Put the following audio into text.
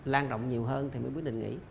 lan rộng nhiều hơn thì mới quyết định nghỉ